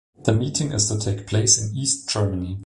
The meeting is to take place in East Germany.